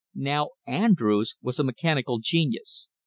Now Andrews was a mechanical genius.